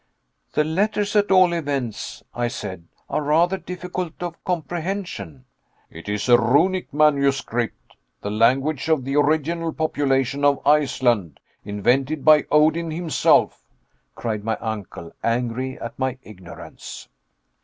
"The letters at all events," I said, "are rather difficult of comprehension." "It is a Runic manuscript, the language of the original population of Iceland, invented by Odin himself," cried my uncle, angry at my ignorance.